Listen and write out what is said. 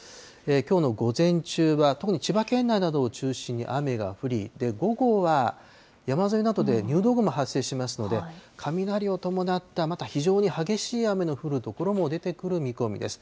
きょうの午前中は、特に千葉県内などを中心に雨が降り、午後は山沿いなどで入道雲が発生しますので、雷を伴った、また非常に激しい雨の降る所も出てくる見込みです。